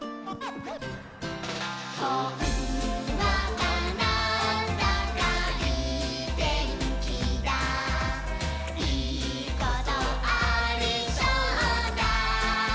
「ほんわかなんだかいいてんきだいいことありそうだ！」